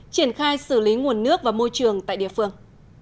triển khai xử lý nguồn nước và môi trường tại địa phương